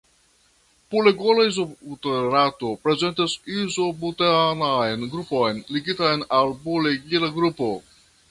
Pulegola izobuterato prezentas izobutanatan grupon ligitan al pulegila grupo.